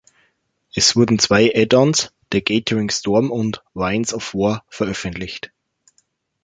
Es wurden zwei Add-ons, "The Gathering Storm" und "Winds of War", veröffentlicht.